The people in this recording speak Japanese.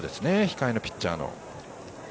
控えのピッチャーの。